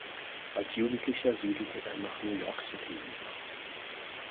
Als Jugendlicher siedelte er nach New York City über.